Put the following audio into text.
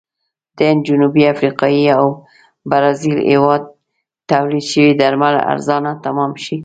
د هند، جنوبي افریقې او برازیل هېواد تولید شوي درمل ارزانه تمام شي.